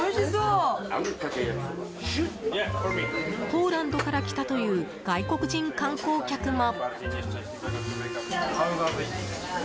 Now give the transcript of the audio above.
ポーランドから来たという外国人観光客も。